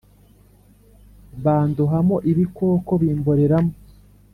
Bandohamo ibikoko Bimboreramo